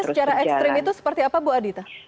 secara ekstrim itu seperti apa bu adita